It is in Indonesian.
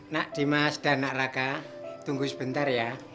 nak dimas dan nak raka tunggu sebentar ya